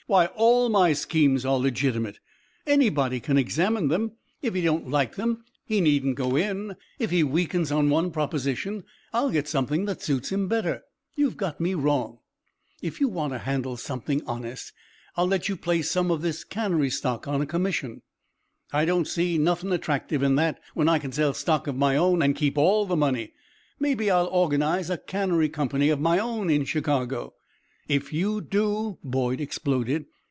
"Why, all my schemes are legitimate. Anybody can examine them. If he don't like them, he needn't go in. If he weakens on one proposition, I'll get something that suits him better. You've got me wrong." "If you want to handle something honest, I'll let you place some of this cannery stock on a commission." "I don't see nothing attractive in that when I can sell stock of my own and keep all the money. Maybe I'll organize a cannery company of my own in Chicago " "If you do " Boyd exploded.